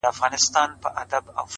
• دا د پنځو زرو کلونو کمالونو کیسې,